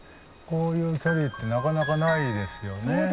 こういう距離ってなかなかないですよね。